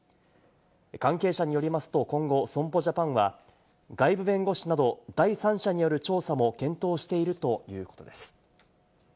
関係者によりますと今後、損保ジャパンは外部弁護士など第三者による調査も検討しているということです。